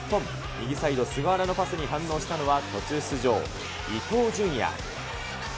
右サイド、菅原のパスに反応したのは途中出場、伊東純也。